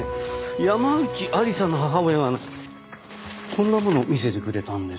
山内愛理沙の母親がこんなものを見せてくれたんですよ。